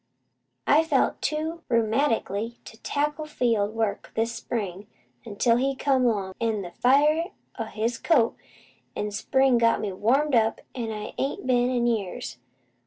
"I felt most too rheumaticky to tackle field work this spring until he come 'long, an' the fire o' his coat an' song got me warmed up as I ain't been in years.